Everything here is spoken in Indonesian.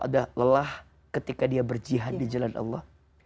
ada lelah ketika dia berjihad di jalan allah